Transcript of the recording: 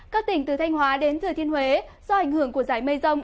các tỉnh từ thanh hóa đến thừa thiên huế do ảnh hưởng của giải mây rông